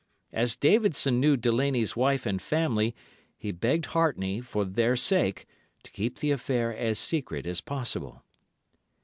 As Davidson knew Delaney's wife and family, he begged Hartney, for their sake, to keep the affair as secret as possible.